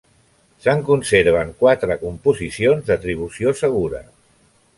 Se'n conserven quatre composicions d'atribució segura.